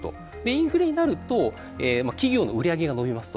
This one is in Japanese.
インフレになると、企業の売り上げが伸びます。